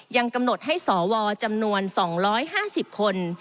ยังกำหนดให้สวจำนวน๒๕๐คน